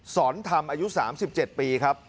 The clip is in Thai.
สอนธรรมอายุสามสิบเจ็ดปีครับ